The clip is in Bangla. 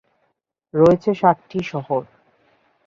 রয়েছে সাতটি শহর।